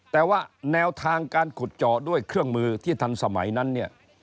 แต่ว่าแนวทางการขุดเจาะด้วยเครื่องมือที่ทันสมัยนั้นเนี่ย